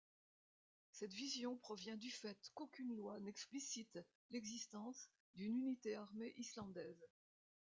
Cette vision provient du fait qu'aucune loi n'explicite l'existence d'une unité armée islandaise.